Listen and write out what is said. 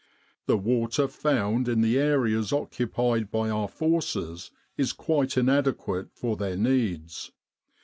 The water found in the areas occupied by our forces is quite inadequate for their needs.